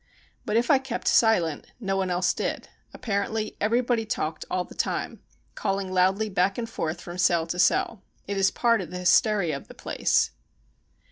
But if I kept silent, no one else did. Apparently everybody talked all the time, calling loudly back and forth from cell to cell. It is part of the hysteria of the place.